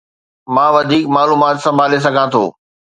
مان وڌيڪ معلومات سنڀالي سگهان ٿو